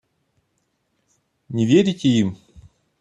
Не верите им?